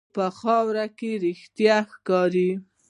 په خاوره کې رښتیا ښکاري.